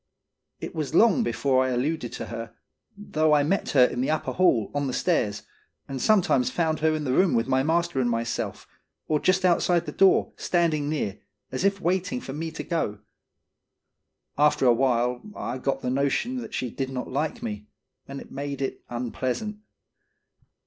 It was long before I alluded to her, though I met her in the upper hall, on the stairs, and sometimes found her in the room with my master and myself, or just outside the door, standing near, as if waiting for me to go. After a while, I got the notion that she did not like me, and it made it unpleasant.